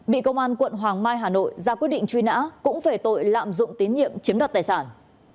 bị công an quận hoàng mai hà nội ra quyết định truy nã cũng về tội lạm dụng tín nhiệm chiếm đoạt tài sản